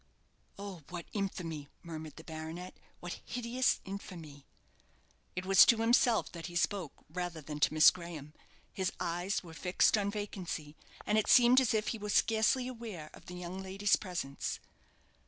"Oh, what infamy!" murmured the baronet; "what hideous infamy!" It was to himself that he spoke rather than to Miss Graham. His eyes were fixed on vacancy, and it seemed as if he were scarcely aware of the young lady's presence.